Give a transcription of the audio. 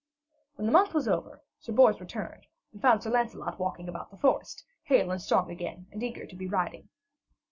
When the month was over, Sir Bors returned and found Sir Lancelot walking about the forest, hale and strong again and eager to be riding.